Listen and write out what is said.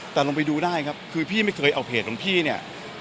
แต่ลองไปดูได้ครับคือพี่ไม่เคยเอาเพจของพี่เนี่ย